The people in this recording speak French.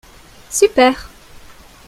Super.